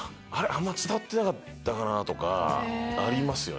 あんま伝わってなかったかなぁとかありますよね。